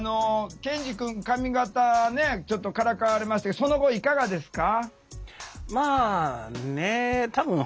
ケンジくん髪形ねちょっとからかわれましたけどその後いかがですか？